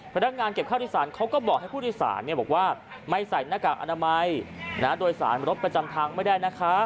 พนักงานเก็บข้าวที่สารเขาก็บอกให้ผู้โดยสารบอกว่าไม่ใส่หน้ากากอนามัยโดยสารรถประจำทางไม่ได้นะคะ